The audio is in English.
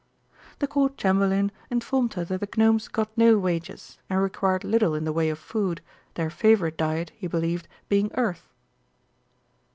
The Court Chamberlain informed her that the Gnomes got no wages and required little in the way of food, their favourite diet, he believed, being earth.